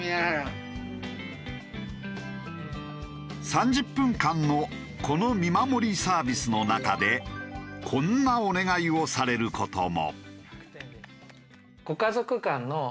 ３０分間のこの見守りサービスの中でこんなお願いをされる事も。